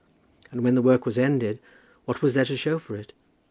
And when the work was ended, what was there to show for it?